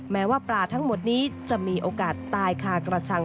แม้ว่าปลาทั้งหมดนี้จะมีโอกาสตายคากระชัง